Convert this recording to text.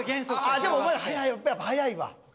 でもまだ早いやっぱ早いわ。